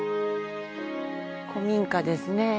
古民家ですね。